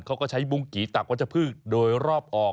เขาก็ใช้บุ้งกี่ตักวัชพืชโดยรอบออก